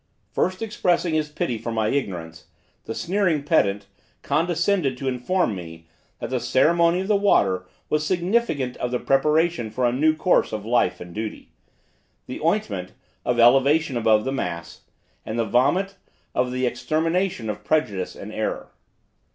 First expressing his pity for my ignorance, the sneering pedant condescended to inform me, that the ceremony of the water was significant of the preparation for a new course of life and duty; the ointment, of elevation above the mass; and the vomit, of the extermination of prejudice and error.